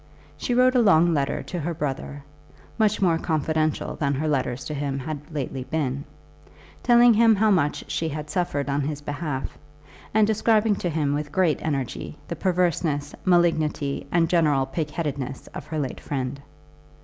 She wrote a long letter to her brother, much more confidential than her letters to him had lately been, telling him how much she had suffered on his behalf, and describing to him with great energy the perverseness, malignity, and general pigheadedness of her late friend.